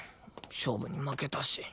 勝負に負けたし。